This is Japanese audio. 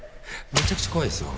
めちゃくちゃ怖いですよ